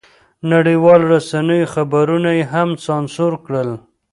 نړیوالو رسنیو خبرونه یې هم سانسور کړل.